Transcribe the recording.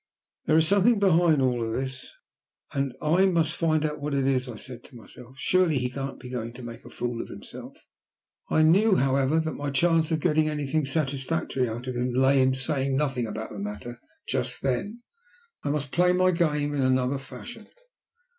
"There is something behind all this, and I must find out what it is," I said to myself. "Surely he can't be going to make a fool of himself." I knew, however, that my chance of getting anything satisfactory out of him lay in saying nothing about the matter just then. I must play my game in another fashion.